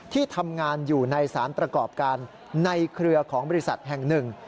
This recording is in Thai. ที่ทำงานอยู่ในสารประกอบการในเครือของบริษัทแห่งหนึ่ง